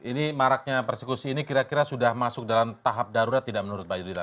ini maraknya persekusi ini kira kira sudah masuk dalam tahap darurat tidak menurut mbak yudhila